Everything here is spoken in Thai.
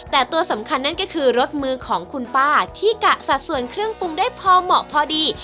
แต่ตัวสำคัญนั่นก็คือรสมือของคุณป้าที่กะสัดส่วนเครื่องปรุงได้พอเหมาะพอดี